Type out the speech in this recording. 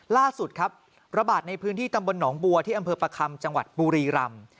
ล่าสุดครับระบาดในพื้นที่ตำบลหนองบัวที่อำเภอประคำจังหวัดบุรีรำ